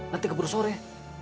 nanti keburu sore